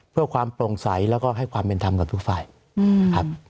เพื่อความโปร่งใสแล้วก็ให้ความเป็นธรรมกับทุกฝ่ายนะครับ